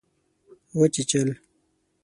وچیچل